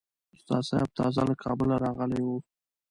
استاد سیاف تازه له کابله راغلی وو.